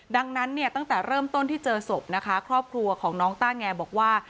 ดังนั้นเนี่ยตั้งแต่เริ่มต้นที่เจอศพนะคะครอบครัวของน้องต้าแงบอกว่า